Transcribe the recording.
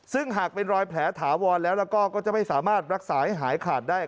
ซึ่งหากเป็นรอยแผลถาวรแล้วก็ก็จะไม่สามารถรักษาให้หายขาดได้